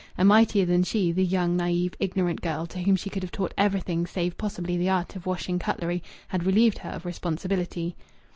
A mightier than she, the young, naïve, ignorant girl, to whom she could have taught everything save possibly the art of washing cutlery, had relieved her of responsibility.